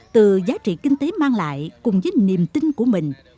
từ giá trị kinh tế mang lại cùng với niềm tin của mình